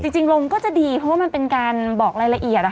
จริงลงก็จะดีเพราะว่ามันเป็นการบอกรายละเอียด